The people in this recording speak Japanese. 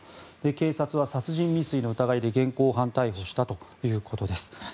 警察は殺人未遂の疑いで現行犯逮捕したということです。